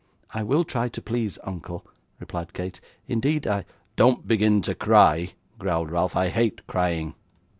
'I will try to please, uncle,' replied Kate: 'indeed I ' 'Don't begin to cry,' growled Ralph; 'I hate crying.